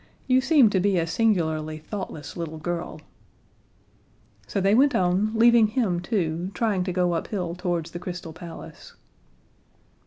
You seem to be a singularly thoughtless little girl." So they went on, leaving him too, trying to go uphill towards the Crystal Palace.